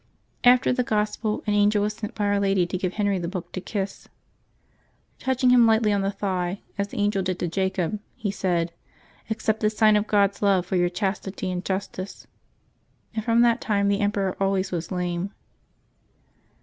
After the Gospel, an angel was sent by Our Lady to give Henry the book to kiss. Touching him lightly on the thigh, as the angel did to Jacob, he said, " Accept this sign of God's love for your chastity and jus tice;" and from that time the emperor always was lame.